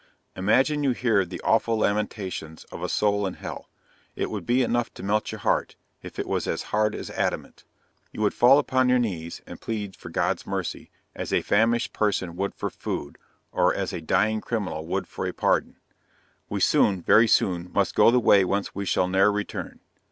Imagine you hear the awful lamentations of a soul in hell. It would be enough to melt your heart, if it was as hard as adamant. You would fall upon your knees and plead for God's mercy, as a famished person would for food, or as a dying criminal would for a pardon. We soon, very soon, must go the way whence we shall ne'er return.